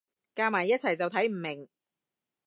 夾埋一齊就睇唔明